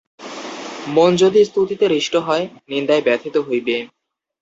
মন যদি স্তুতিতে হৃষ্ট হয়, নিন্দায় ব্যথিত হইবে।